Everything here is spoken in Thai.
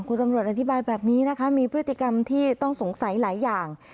คุณตำรวจอธิบายแบบนี้นะคะมีพฤติกรรมที่ต้องสงสัยหลายอย่าง